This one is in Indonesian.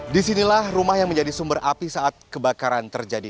disinilah rumah yang menjadi sumber api saat kebakaran terjadi